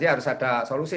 harus ada solusi